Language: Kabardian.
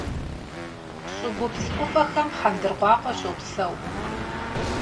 ЩӀыгупс Ӏуфэхэм хъэндыркъуакъуэ щопсэу.